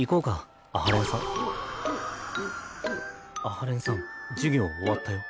阿波連さん授業終わったよ。